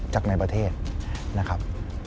จากในประเทศนะครับ